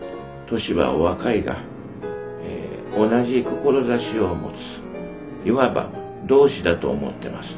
年はお若いが同じ志を持ついわば同志だと思ってます」。